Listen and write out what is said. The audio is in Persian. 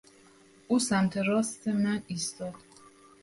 او سمت راست من ایستاد.